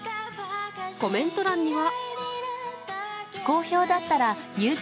コメント欄には。